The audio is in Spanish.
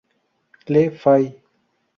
Le Fay